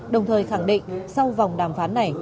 đồng thời khẳng định sau vòng đàm phán này